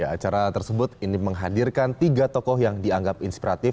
acara tersebut ini menghadirkan tiga tokoh yang dianggap inspiratif